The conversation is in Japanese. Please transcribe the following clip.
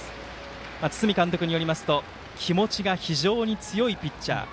堤監督によりますと気持ちが非常に強いピッチャー。